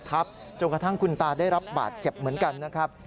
จนกระทั่งคุณตาได้รับบาดเจ็บเหมือนกันนะครับ